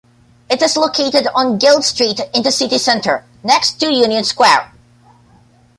It is located on Guild Street in the city centre, next to Union Square.